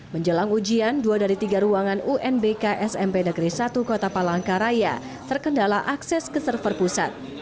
menjelang ujian dua dari tiga ruangan unbk smp negeri satu kota palangkaraya terkendala akses ke server pusat